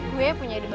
gue punya ide bagus